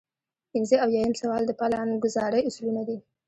پنځه اویایم سوال د پلانګذارۍ اصلونه دي.